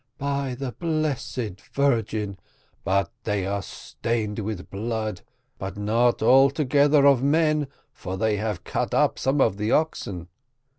By the blessed Virgin! but they are stained with blood, but not altogether of men, for they have cut up some of the oxen.